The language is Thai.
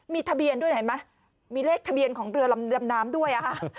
มีทะเบียนด้วยเห็นไหมมีเลขทะเบียนของเรือลำดำน้ำด้วย